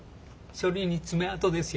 書類に爪痕ですよ。